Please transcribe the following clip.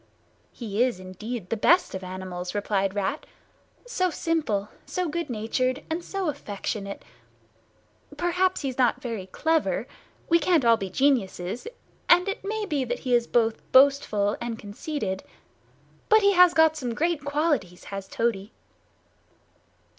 "He is indeed the best of animals," replied Rat. "So simple, so good natured, and so affectionate. Perhaps he's not very clever—we can't all be geniuses; and it may be that he is both boastful and conceited. But he has got some great qualities, has Toady."